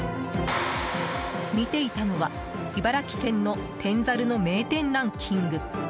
見ていたのは茨城県の天ざるの名店ランキング。